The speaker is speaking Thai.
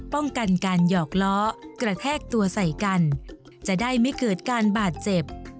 ป้องกันการหยอกล้อกระแทกตัวใส่กันจะได้ไม่เกิดการบาดเจ็บ